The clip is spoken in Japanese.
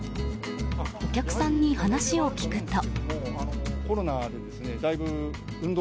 お客さんに話を聞くと。